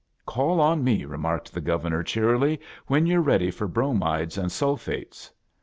''" Call on me," remarked the Governor, cheerily* " vbea you're ready for bromides and sulphates."